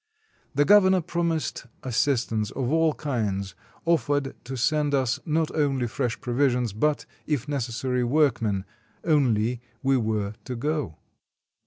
The gov ernor promised assistance of all kinds, offered to send us not only fresh provisions, but, if necessary, workmen — only we were to go.